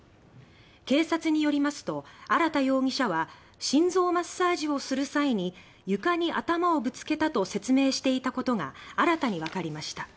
警察によりますと荒田容疑者は「心臓マッサージをする際に床に頭をぶつけた」と説明していたことが新たにわかりました。